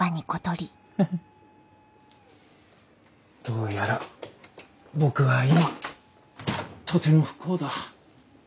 どうやら僕は今とても不幸だ。